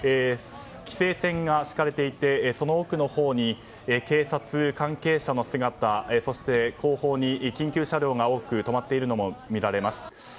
規制線が敷かれていてその奥のほうに警察、関係者の姿そして後方に緊急車両が多く止まっているのも見られます。